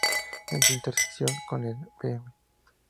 En su intersección con el Bv.